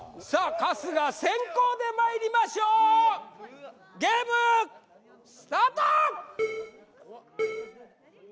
春日先攻でまいりましょうゲームスタート！